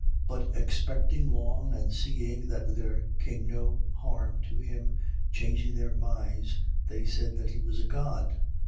But expecting long and seeing that there came no harm to him, changing their minds, they said that he was a god.